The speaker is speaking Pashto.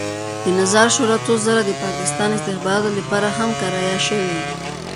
د نظار شورا څو ځله د پاکستاني استخباراتو لپاره هم کرایه شوې.